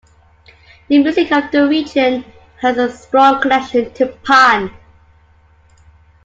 The music of the region has a strong connection to Pan.